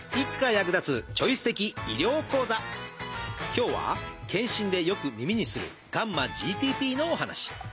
今日は健診でよく耳にするγ−ＧＴＰのお話。